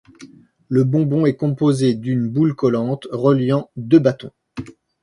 Le bonbon est composé d'une boule collante reliant deux bâtons.